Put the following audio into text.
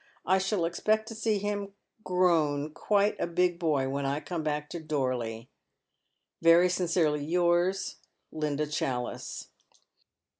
I shall expect to see him grown quite a big boy when I come back to Dorley. " Very sincerely yours, "Linda Challice."